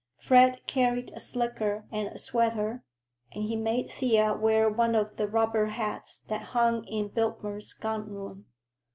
Fred carried a slicker and a sweater, and he made Thea wear one of the rubber hats that hung in Biltmer's gun room.